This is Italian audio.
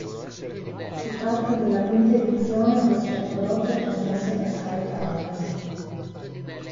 Si tratta della quinta edizione ad essere prodotta e trasmessa da Sky Italia.